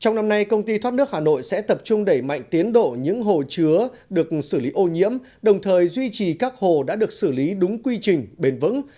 trong năm nay công ty thoát nước hà nội sẽ tập trung đẩy mạnh tiến độ những hồ chứa được xử lý ô nhiễm đồng thời duy trì các hồ đã được xử lý đúng quy trình bền vững